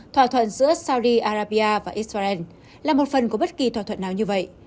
thỏa thuận giữa saudi arabia và israel là một phần của bất kỳ thỏa thuận nào như vậy